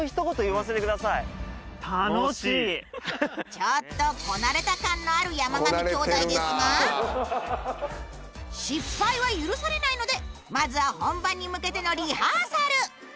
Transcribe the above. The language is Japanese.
ちょっとこなれた感のある山上兄弟ですが失敗は許されないのでまずは本番に向けてのリハーサル。